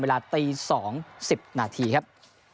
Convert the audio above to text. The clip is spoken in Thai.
เวลาตีสองสิบนาทีครับ